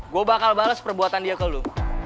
gou bakal bales perbuatan dia ke lu